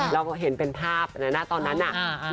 เราเห็นเป็นภาพนะตอนนั้นน่ะ